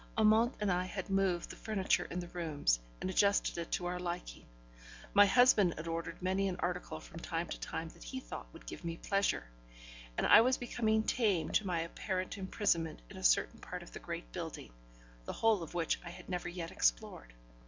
Amante and I had moved the furniture in the rooms, and adjusted it to our liking; my husband had ordered many an article from time to time that he thought would give me pleasure, and I was becoming tame to my apparent imprisonment in a certain part of the great building, the whole of which I had never yet explored.